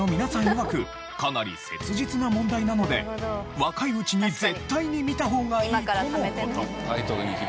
いわくかなり切実な問題なので若いうちに絶対に見た方がいいとの事。